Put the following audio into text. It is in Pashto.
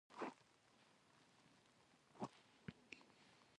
کورنۍ ماليې ځان ژغوري.